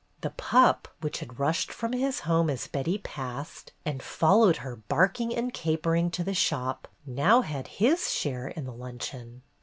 The pup, which had rushed from his home as Betty passed and followed her, barking and capering, to the shop, now had his share in the luncheon.